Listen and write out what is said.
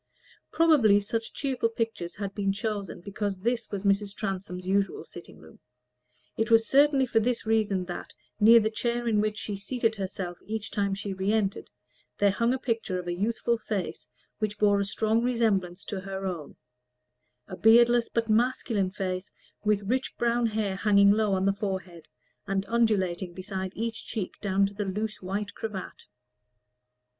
Probably such cheerful pictures had been chosen because this was Mrs. Transome's usual sitting room: it was certainly for this reason that, near the chair in which she seated herself each time she re entered, there hung a picture of a youthful face which bore a strong resemblance to her own: a beardless but masculine face, with rich brown hair hanging low on the forehead, and undulating beside each cheek down to the loose white cravat.